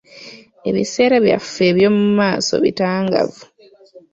Ebiseera byaffe eby'omu maaso bitangaavu.